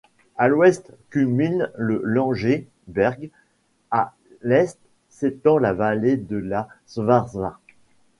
À l'ouest culmine le Langer Berg, à l'est s'étend la vallée de la Schwarza.